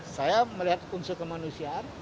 saya melihat unsur kemanusiaan